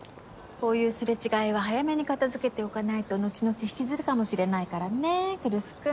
こういう擦れ違いは早めに片づけておかないと後々引きずるかもしれないからねぇ来栖君。